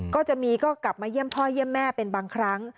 ก็จะมีก็กลับมาเยี่ยมพ่อเยี่ยมแม่เป็นบางครั้ง